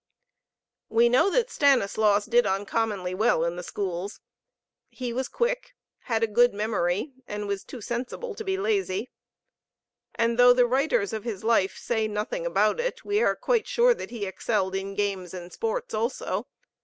We know that Stanislaus did uncommonly well in the schools. He was quick, had a good memory, and was too sensible to be lazy. And though the writers of his life say nothing about it, we are quite sure that he excelled in games and sports also.